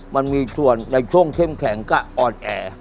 มันมีส่วนในช่วงเข้มแข็งก็อ่อนแอ